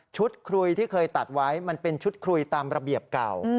คุยที่เคยตัดไว้มันเป็นชุดคุยตามระเบียบเก่า